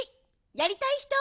やりたいひと。